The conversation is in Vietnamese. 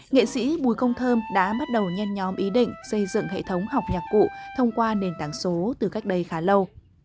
nghệ sĩ bùi công thơm đã bắt đầu nhen nhóm ý định xây dựng hệ thống học nhạc cụ thông qua nền tảng số từ cách đây khá lâu